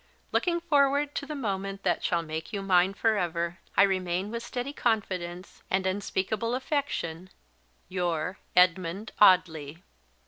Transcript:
"Looking forward to the moment that shall make you mine for ever, I remain with steady confidence: and unspeakable affection, your "EDMUND AUDLEY."